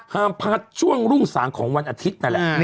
พัดช่วงรุ่งสางของวันอาทิตย์นั่นแหละ